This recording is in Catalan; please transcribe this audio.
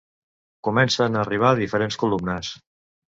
Comencen a arribar diferents columnes.